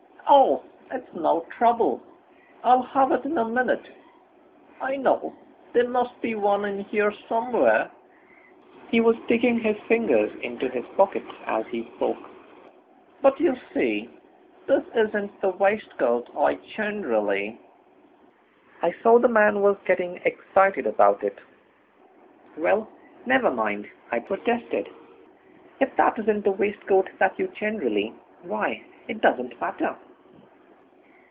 "Oh, it's no trouble, I'll have it in a minute; I know there must be one in here somewhere" he was digging his fingers into his pockets as he spoke "but you see this isn't the waistcoat I generally...." I saw that the man was getting excited about it. "Well, never mind," I protested; "if that isn't the waistcoat that you generally why, it doesn't matter."